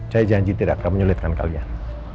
saya janji tidak akan menyulitkan kalian